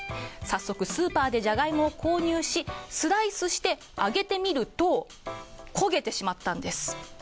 早速、スーパーでジャガイモを購入しスライスして、揚げてみると焦げてしまったんです。